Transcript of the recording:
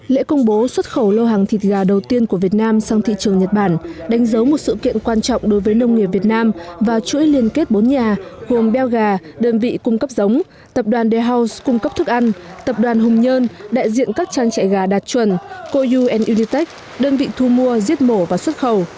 lễ công bố xuất khẩu lô hàng thịt gà đầu tiên của việt nam sang thị trường nhật bản đánh dấu một sự kiện quan trọng đối với nông nghiệp việt nam và chuỗi liên kết bốn nhà gồm beo gà đơn vị cung cấp giống tập đoàn de house cung cấp thức ăn tập đoàn hùng nhơn đại diện các trang trại gà đạt chuẩn co un uditech đơn vị thu mua giết mổ và xuất khẩu